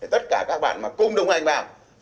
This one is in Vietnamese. tất cả các bạn mà cùng đồng hành vào